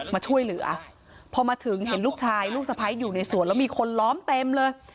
มาช่วยเหลือพอมาถึงเห็นลูกชายลูกสะพ้ายอยู่ในสวนแล้วมีคนล้อมเต็มเลย